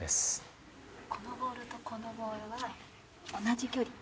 このボールとこのボールは同じきょり。